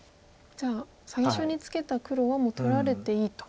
じゃあ最初にツケた黒はもう取られていいと。